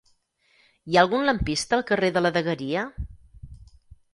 Hi ha algun lampista al carrer de la Dagueria?